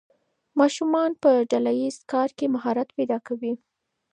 ماشومان په ډله ییز کار کې مهارت پیدا کوي.